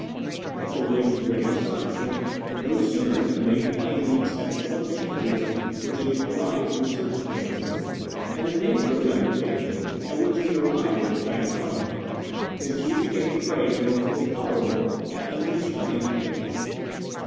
But to Ling's great astonishment no sooner had he made plain the exceptional advantages which he had derived from the circumstances, and the nature of the undertaking at which he had arrived with Chang ch'un, than she became a prey to the most intolerable and unrestrained anguish.